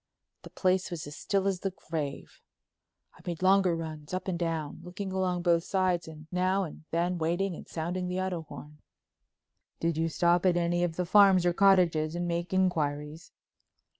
The place was as still as the grave. I made longer runs up and down, looking along both sides and now and then waiting and sounding the auto horn." "Did you stop at any of the farms or cottages and make inquiries?"